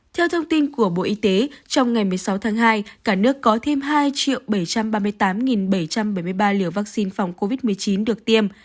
theo thông tin của bộ y tế trong ngày một mươi sáu tháng hai cả nước có thêm hai bảy trăm ba mươi tám bảy trăm bảy mươi ba liều vaccine phòng covid một mươi chín được tiêm